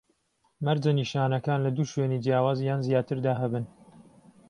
مەرجە نیشانەکان لە دوو شوێنی جیاواز یان زیاتر دا هەبن